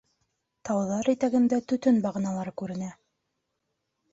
Тауҙар итәгендә төтөн бағаналары күренә.